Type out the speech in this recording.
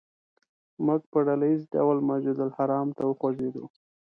موږ په ډله ییز ډول مسجدالحرام ته وخوځېدو.